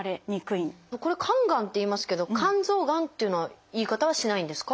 これ「肝がん」って言いますけど「肝臓がん」っていうのは言い方はしないんですか？